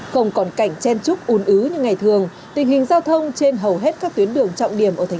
không còn cảnh chen trúc un ứ như ngày thường tình hình giao thông trên hầu hết các tuyến đường trọng điểm ở tp hcm